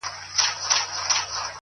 هره پوښتنه د پرمختګ دروازه ده.!